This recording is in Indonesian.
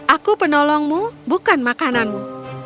aku penolongmu bukan makananmu